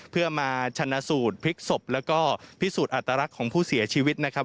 เพื่อมาชนะสูตรพลิกศพแล้วก็พิสูจน์อัตลักษณ์ของผู้เสียชีวิตนะครับ